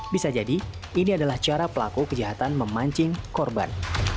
bisa jadi ini adalah cara pelaku kejahatan memancing korban